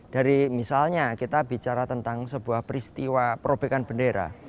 dari misalnya kita bicara tentang sebuah peristiwa perobekan bendera